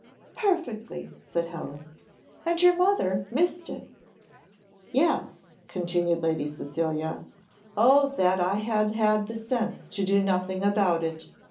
"Perfectly," said Helen, "and your mother missed it." "Yes," continued Lady Cecilia. "O that I had had the sense to do nothing about it!